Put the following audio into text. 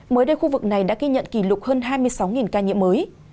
mới đây khu vực này đã ghi nhận kỷ lục hơn hai mươi sáu ca nhiễm mới